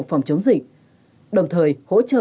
phòng chống dịch đồng thời hỗ trợ